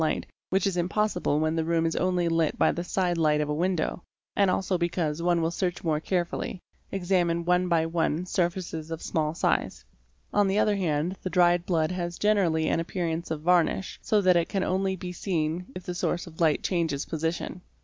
light which is impossible when the room is only lit by the side light of a window, and also because one will search more carefully, examining one by one surfaces of small size. On the other hand the dried blood has generally an appearance of varnish so _ that it can only be seen if the source of light changes position.